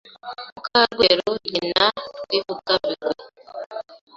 Muka Rweru nyina Rwivugabigwi